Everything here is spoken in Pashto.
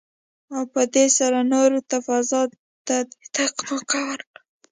او په دې سره نورو ته فضا ته د تګ موکه ورکړي.